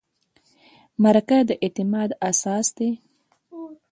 مرکه د اعتماد اساس دی.